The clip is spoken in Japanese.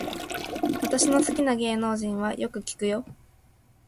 私の好きな芸能人はよく聞くよ